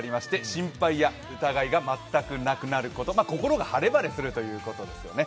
心配や疑いが全くなくなる、心が晴々するということですね。